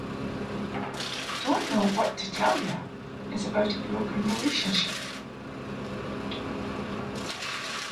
"Don't Know What to Tell Ya" is about a broken relationship.